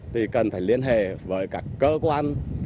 thì cần phải liên hệ với các cơ quan